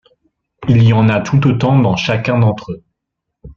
Il y en a tout autant dans chacun d’entre eux.